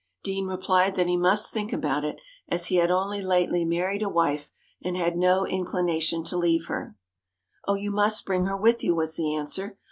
Deane replied that he must think about it, as he had only lately married a wife, and had no inclination to leave her. "Oh, you must bring her with you!" was the answer.